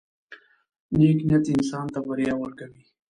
• نیک نیت انسان ته بریا ورکوي.